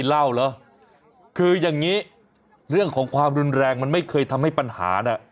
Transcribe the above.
เล่าเหรอคืออย่างนี้เรื่องของความรุนแรงมันไม่เคยทำให้ปัญหาน่ะ